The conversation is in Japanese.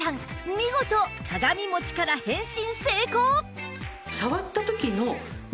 見事鏡もちから変身成功